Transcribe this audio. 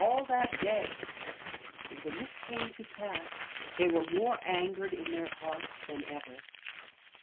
all that day, and when this came to pass they were more angered in their hearts than ever.